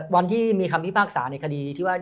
วันที่มีคำพิพากษาในคดีที่ว่า